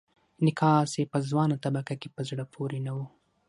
انعکاس یې په ځوانه طبقه کې په زړه پورې نه و.